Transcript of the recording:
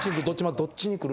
どっちに来る？